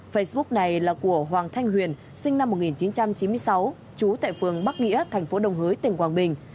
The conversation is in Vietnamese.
facebook này là của hoàng thanh huyền sinh năm một nghìn chín trăm chín mươi sáu trú tại phường bắc nghĩa thành phố đồng hới tỉnh quảng bình